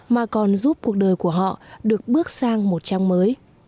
mà còn giúp cuộc đời của họ được bước sang một trang mới